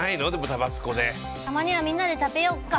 たまにはみんなで食べよっか。